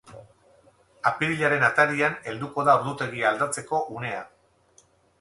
Apirilaren atarian helduko da ordutegia aldatzeko unea.